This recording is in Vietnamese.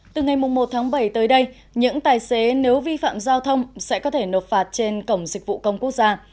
từ ngày một tháng bảy tới đây những tài xế nếu vi phạm giao thông sẽ có thể nộp phạt trên cổng dịch vụ công quốc gia